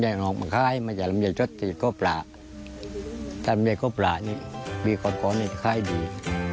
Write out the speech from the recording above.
ถ้าลำใยขอพระนี่มีก่อนนี่จะค่ายดี